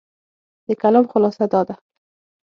د کلام خلاصه دا ده،